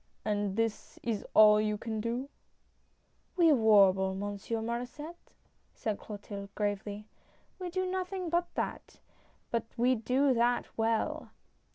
" And this is all you can do ?" "We warble. Monsieur Mauresset, said Clotilde, gravely. "We do nothing but that, but we do that well!"